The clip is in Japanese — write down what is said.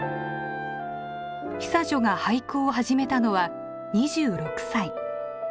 久女が俳句を始めたのは２６歳。